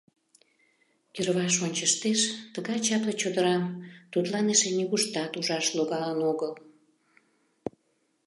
Йырваш ончыштеш, тыгай чапле чодырам тудлан эше нигуштат ужаш логалын огыл.